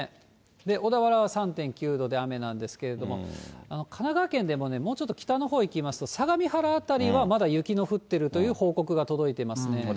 小田原は３．９度で雨なんですけれども、神奈川県でももうちょっと北のほうに行きますと、相模原辺りはまだ雪の降っているという報告届いていますね。